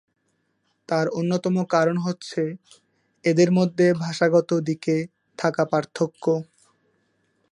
তার অন্যতম কারণ হচ্ছে এদের মধ্যে ভাষাগত দিকে থাকা পার্থক্য।